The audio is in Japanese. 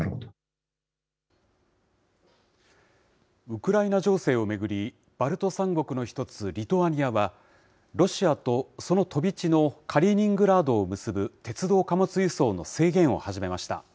ウクライナ情勢を巡り、バルト３国の１つ、リトアニアは、ロシアとその飛び地のカリーニングラードを結ぶ鉄道貨物輸送の制限を始めました。